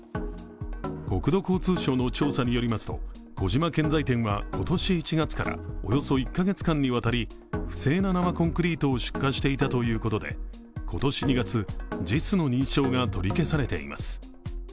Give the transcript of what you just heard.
国土交通省の調査によりますと小島建材店は今年１月からおよそ１カ月間にわたり不正な生コンクリートを出荷していたということで、今年２月、ＪＩＳの認証が取り消されています。